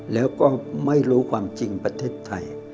แล้วก็ไม่รู้ความจริงประเทศไทย